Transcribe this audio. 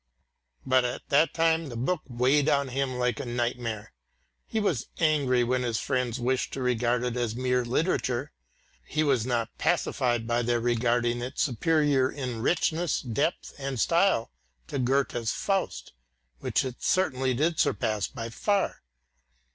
But at that time, the book weighed on him like a nightmare. He was angry when his friends wished to regard it as mere literature. He was not pacified by their regarding it superior in richness, depth and style to Goethe's Faust, which it certainly did surpass by far.